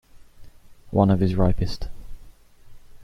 One of his ripest.